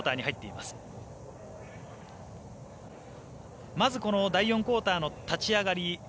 まず、第４クオーターの立ち上がり。